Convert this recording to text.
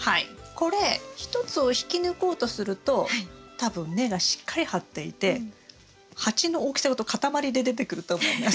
これ１つを引き抜こうとすると多分根がしっかり張っていて鉢の大きさごと塊で出てくると思います。